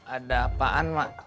ada apaan mak